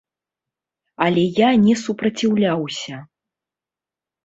Але я не супраціўляўся.